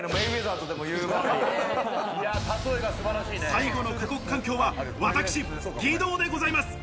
最後の過酷環境は、私、義堂でございます。